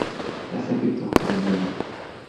Das ergibt doch keinen Sinn.